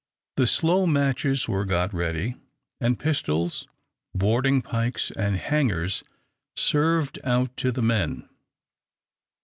The slow matches were got ready, and pistols, boarding pikes, and hangers served out to the men.